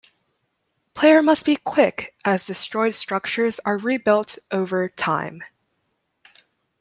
Player must be quick as destroyed structures are rebuilt over time.